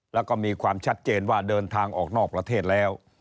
แล้วก็มีความชัดเจนว่าเดินทางออกนอกประเทศแล้ว